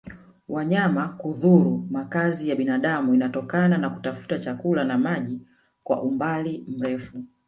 wanyama kudhuru makazi ya binadamu inatokana na kutafuta chakula na maji kwa umbali mrefu